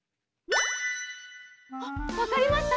あっわかりました？